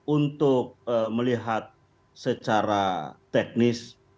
untuk melihat secara teknis